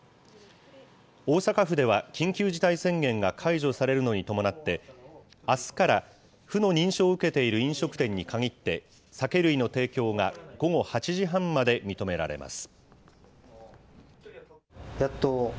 大阪府では緊急事態宣言が解除されるのに伴って、あすから府の認証を受けている飲食店に限って、酒類の提供が午後８時半まで認められます。